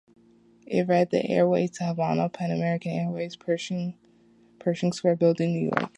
It read "The air-way to Havana, Pan American Airways, Pershing Square Building, New York".